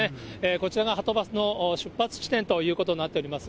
こちらがはとバスの出発地点ということになっております。